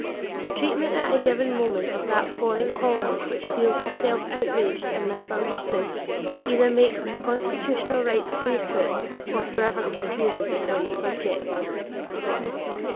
The treatment at a given moment of that foreign colony which feels itself outraged and misunderstood, either makes its constitutional rights clear to it, or forever confuses it on the subject.